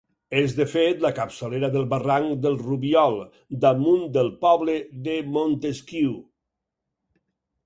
És, de fet, la capçalera del barranc del Rubiol, damunt del poble de Montesquiu.